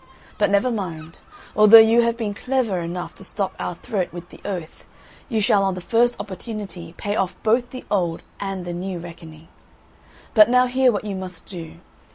But never mind; although you have been clever enough to stop our throat with the oath, you shall on the first opportunity pay off both the old and the new reckoning. But now hear what you must do.